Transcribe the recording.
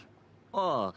ああ。